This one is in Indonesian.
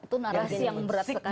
itu narasi yang berat sekali